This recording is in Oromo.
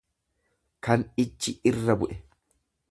kan ijji irra bu'e.